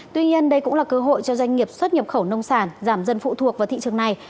tuy nhiên đây cũng là cơ hội cho doanh nghiệp xuất nhập khẩu nông sản giảm dần phụ thuộc vào thị trường này